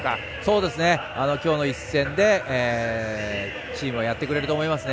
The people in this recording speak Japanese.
きょうの一戦でチームをやってくれると思いますね。